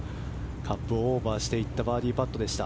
カップをオーバーしていったバーディーパットでした。